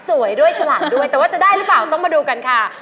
สวยด้วยฉลาดด้วยแต่ว่าจะได้หรือเปล่าต้องมาดูกันค่ะ